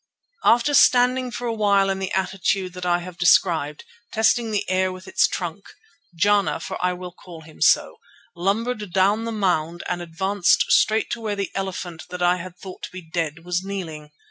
After standing for a while in the attitude that I have described, testing the air with its trunk, Jana, for I will call him so, lumbered down the mound and advanced straight to where the elephant that I had thought to be dead was kneeling.